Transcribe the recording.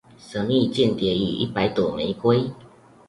神祕間諜與一百朵玫瑰